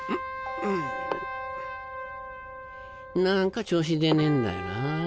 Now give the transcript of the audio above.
なんか調子出ねえんだよなぁ。